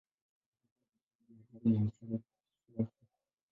Alikuwa mtangazaji wa habari na michezo, haswa soka.